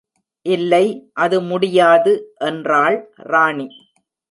'இல்லை, அது முடியாது,' என்றாள் ராணி.